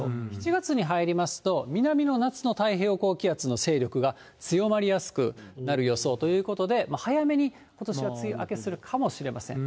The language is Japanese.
７月に入りますと、南の夏の太平洋高気圧の勢力が強まりやすくなる予想ということで、早めにことしは梅雨明けするかもしれません。